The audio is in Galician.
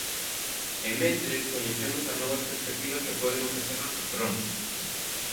E mentres, coñecemos as novas perspectivas que poden ofrecernos os drons.